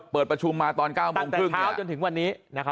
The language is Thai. เปิดประชุมมาตอน๙โมงครึ่งเช้าจนถึงวันนี้